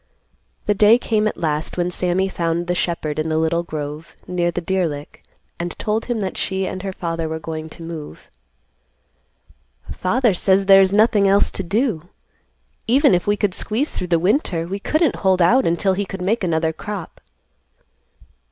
The day came at last when Sammy found the shepherd in the little grove, near the deer lick, and told him that she and her father were going to move. "Father says there is nothing else to do. Even if we could squeeze through the winter, we couldn't hold out until he could make another crop."